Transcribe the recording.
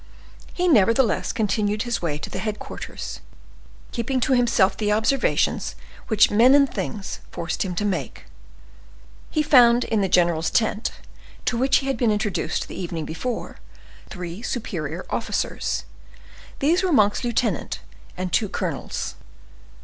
He nevertheless continued his way to the headquarters, keeping to himself the observations which men and things forced him to make. He found in the general's tent, to which he had been introduced the evening before, three superior officers: these were Monk's lieutenant and two colonels.